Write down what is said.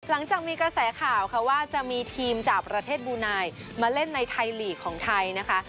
หลังจากมีกระแสข่าวค่ะว่าจะมีทีมจากประเทศบูนายมาเล่นในไทยลีกของไทยนะคะ